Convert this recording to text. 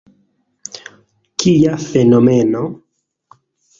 Kia fenomeno!